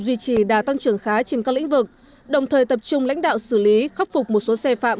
duy trì đà tăng trưởng khá trên các lĩnh vực đồng thời tập trung lãnh đạo xử lý khắc phục một số xe phạm